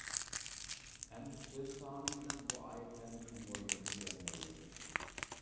ئەمدى سۆز سانى بىلەن بۇ ئايەتلەرنىڭ نومۇرلىرىنى جەملەيلى.